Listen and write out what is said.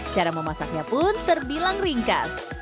cara memasaknya pun terbilang ringkas